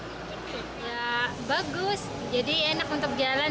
ya bagus jadi enak untuk jalan